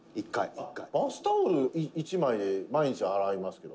塙：「バスタオル１枚で毎日洗いますけど」